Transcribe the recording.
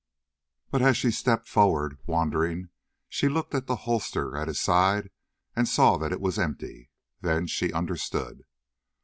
But as she stepped forward, wondering, she looked at the holster at his side and saw that it was empty. Then she understood.